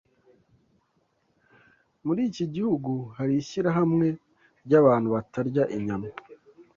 Muri iki gihugu hari ishyirahamwe ry’abantu batarya inyama,